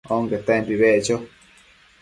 onquetempi beccho